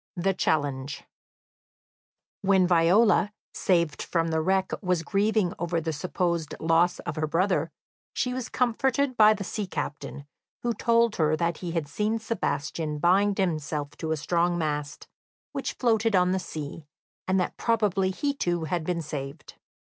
The Challenge When Viola, saved from the wreck, was grieving over the supposed loss of her brother, she was comforted by the sea captain, who told her that he had seen Sebastian bind himself to a strong mast, which floated on the sea, and that probably he too had been saved.